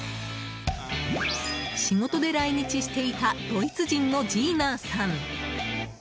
仕事で来日していたドイツ人のジーナーさん。